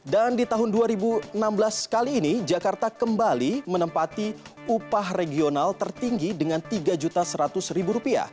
dan di tahun dua ribu enam belas kali ini jakarta kembali menempati upah regional tertinggi dengan rp tiga seratus